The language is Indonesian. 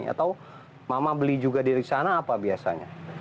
atau mama beli juga dari sana apa biasanya